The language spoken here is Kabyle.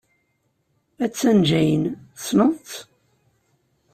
Attan Jane. Tessneḍ-tt?